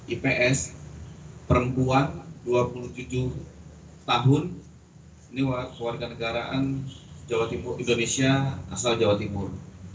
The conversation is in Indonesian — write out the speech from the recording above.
ini warga negaraan indonesia asal jawa timur